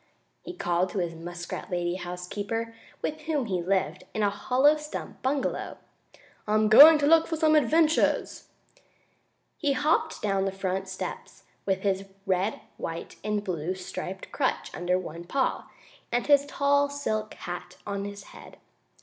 he called to his muskrat lady housekeeper, with whom he lived in a hollow stump bungalow. "I'm going to look for some wonderful adventures!" He hopped down the front steps, with his red, white and blue striped crutch under one paw, and his tall, silk hat on his head.